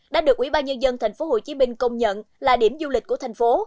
đã được ủy ban nhân dân tp hcm công nhận là điểm du lịch của thành phố